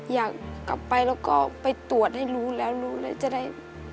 อยากกลับไปแล้วก็ไปตรวจให้รู้แล้วรู้แล้วจะได้